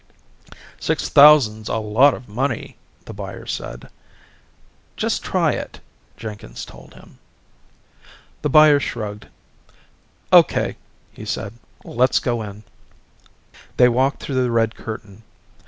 "Six thousand's a lot of money," the buyer said. "Just try it," Jenkins told him. The buyer shrugged. "O.K.," he said. "Let's go in." They walked through the red curtain.